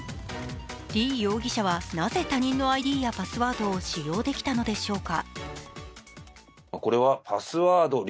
李容疑者は、なぜ他人のＩＤやパスワードを使用できたのでしょうか。